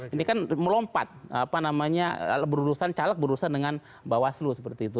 ini kan melompat berurusan caleg berurusan dengan bawaslu seperti itu